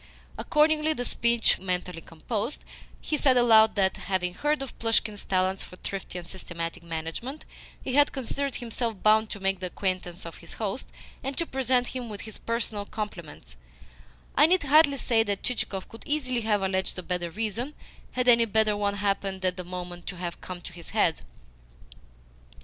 Accordingly, the speech mentally composed, he said aloud that, having heard of Plushkin's talents for thrifty and systematic management, he had considered himself bound to make the acquaintance of his host, and to present him with his personal compliments (I need hardly say that Chichikov could easily have alleged a better reason, had any better one happened, at the moment, to have come into his head).